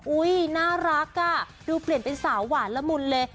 น่ารักอ่ะดูเปลี่ยนเป็นสาวหวานละมุนเลย